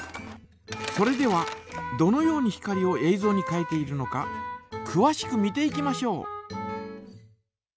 それではどのように光をえいぞうに変えているのかくわしく見ていきましょう。